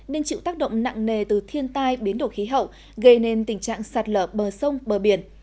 nên chịu tác động nặng nề từ thiên tai biến đổi khí hậu gây nên tình trạng sạt lở bờ sông bờ biển